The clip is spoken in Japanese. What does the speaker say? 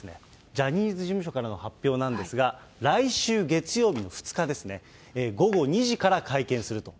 ジャニーズ事務所からの発表なんですが、来週月曜日の２日ですね、午後２時から会見すると。